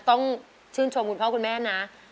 ต้องชื่นชมคุณพ่อคุณแม่นะ